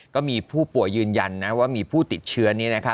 ก็มีผู้ป่วยยืนยันนะว่ามีผู้ติดเชื้อนี้นะคะ